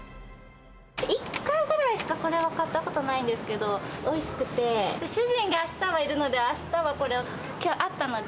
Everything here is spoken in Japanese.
１回ぐらいしかこれは買ったことないんですけど、おいしくて、主人があしたはいるので、あしたはこれを、きょう、あったので。